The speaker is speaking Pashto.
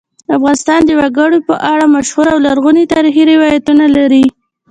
افغانستان د وګړي په اړه مشهور او لرغوني تاریخی روایتونه لري.